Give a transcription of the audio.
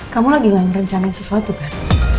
kamu lagi ngelain rencana sesuatu kan